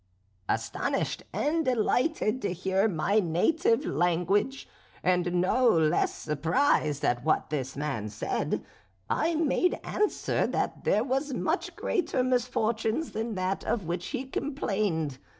"Astonished and delighted to hear my native language, and no less surprised at what this man said, I made answer that there were much greater misfortunes than that of which he complained.